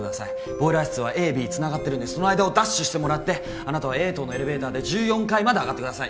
ボイラー室はＡＢ繋がってるんでその間をダッシュしてもらってあなたはＡ棟のエレベーターで１４階まであがってください。